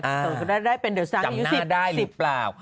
จำหน้าได้หรือเปล่า